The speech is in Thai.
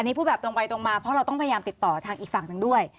นี่พูดแบบตรงไปตรงมาเพราะเราต้องพยายามติดต่อทางอีกฝั่งหนึ่งด้วย